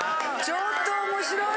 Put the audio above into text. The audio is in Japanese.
ちょっと面白い。